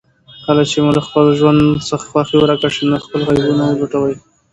کله چې مو له ژوند څخه خوښي ورکه شي، نو خپل عيبونه ولټوئ.